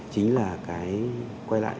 chính là cái quay lại